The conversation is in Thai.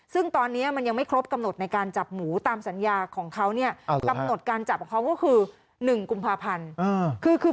ซึ่งตอนนี้มันยังไม่ครบกำหนดในการจับหมูตามสัญญาของเขาเนี่ยกำหนดการจับของเขาก็คือ๑กุมภาพันธ์